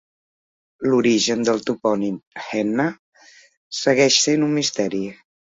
L'origen del topònim "Henna" segueix sent un misteri.